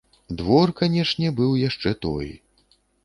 Двор, канешне, быў яшчэ той!